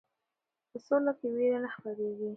په سوله کې ویره نه خپریږي.